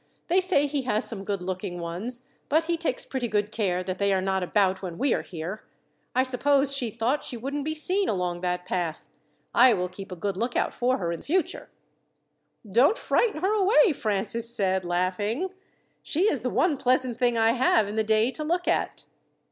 They say he has some good looking ones, but he takes pretty good care that they are not about when we are here. I suppose she thought she wouldn't be seen along that path. I will keep a good lookout for her in future." "Don't frighten her away," Francis said, laughing. "She is the one pleasant thing I have in the day to look at."